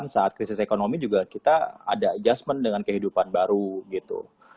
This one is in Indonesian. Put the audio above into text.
dua ribu delapan saat krisis ekonomi juga kita ada adjustment dengan kehidupan baru gitu